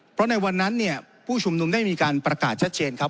เพราะในวันนั้นเนี่ยผู้ชุมนุมได้มีการประกาศชัดเจนครับ